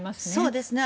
そうですね。